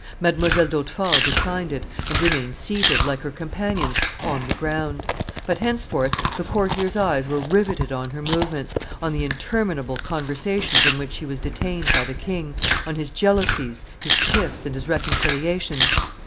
Mdlle. d'Hautefort declined it, and remained seated, like her companions, on the ground; but henceforth the courtiers' eyes were riveted on her movements, on the interminable conversations in which she was detained by the king, on his jealousies, his tiffs, and his reconciliations.